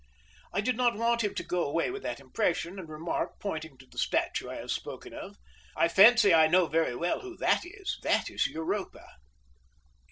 I did not want him to go away with that impression, and remarked, pointing to the statue I have spoken of: "I fancy I know very well who that is that is Europa."